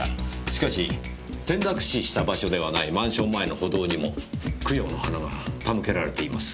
しかし転落死した場所ではないマンション前の歩道にも供養の花が手向けられています。